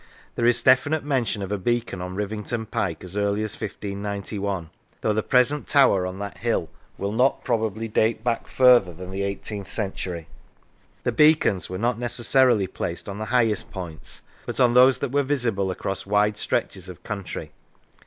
There is definite mention of a beacon on Rivington Pike as early as 1591, though the present tower on that hill will not probably date back further than the eighteenth century. The beacons were not necessarily placed on the highest points, but on those that were visible across wide stretches of country.